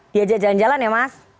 diajak jalan jalan ya mas